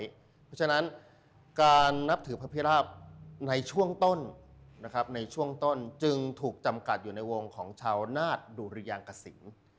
เพราะฉะนั้นการนับถือพระพิราบในช่วงต้นในช่วงต้นจึงถูกจำกัดอยู่ในวงของชาวนาศดุริยางกสิน